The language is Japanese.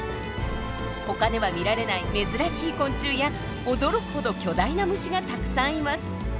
他では見られない珍しい昆虫や驚くほど巨大な虫がたくさんいます。